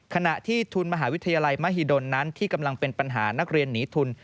ขณะที่ทุนมหาวิทยาลัยมหิดลนั้นที่กำลังเป็นปัญหานักเรียนหนีทุน